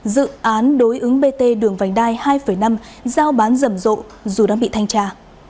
dự án đối ứng bt đường vành đai hai năm giao bán rầm rộ dù đang bị thanh tra